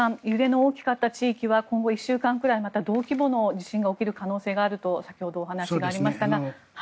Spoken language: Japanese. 揺れの大きかった地域は今後１週間くらいまた同規模の地震が起きる可能性があると先ほどお話がありましたが。